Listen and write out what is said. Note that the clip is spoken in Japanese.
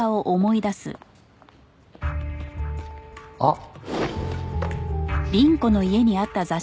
あっ！